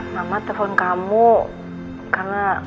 mama telepon kamu karena